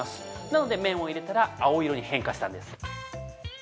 なので、麺を入れたら青色に変化したんです。